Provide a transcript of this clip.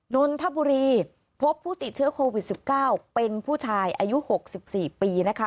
นนทบุรีพบผู้ติดเชื้อโควิด๑๙เป็นผู้ชายอายุ๖๔ปีนะคะ